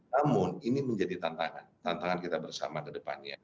namun ini menjadi tantangan kita bersama ke depannya